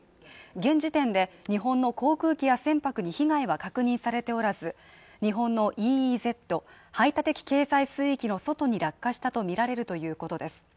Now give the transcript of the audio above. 現時点で日本の航空機や船舶に被害は確認されておらず、日本のＥＥＺ＝排他的経済水域の外に落下したとみられるということです。